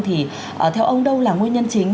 thì theo ông đâu là nguyên nhân chính